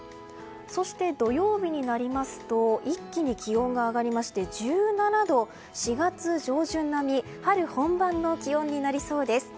そして土曜日になりますと一気に気温が上がりまして１７度、４月上旬並み春本番の気温になりそうです。